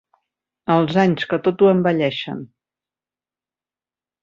Els anys, que tot ho envelleixen.